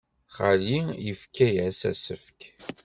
Xali yefka-as asefk.